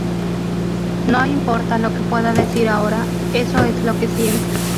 No importa lo que pueda decir ahora, eso es lo que siento".